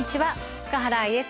塚原愛です。